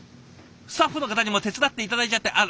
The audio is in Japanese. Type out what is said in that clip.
スタッフの方にも手伝って頂いちゃってあら？